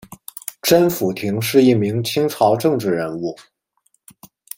甄辅廷是一名清朝政治人物。